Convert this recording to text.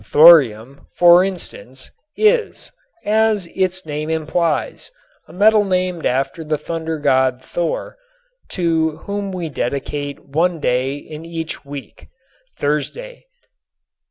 Thorium, for instance, is, as its name implies, a metal named after the thunder god Thor, to whom we dedicate one day in each week, Thursday.